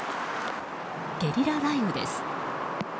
ゲリラ雷雨です。